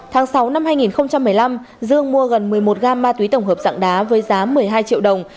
tháng sáu năm hai nghìn một mươi năm dương mua gần một mươi một gam ma túy tổng hợp dạng đá với giá một mươi hai triệu đồng